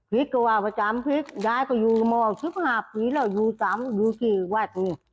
พี่ก็ว่าประจำพี่ยายก็อยู่โมง๑๕ปีแล้วอยู่ตามอยู่ที่ไหน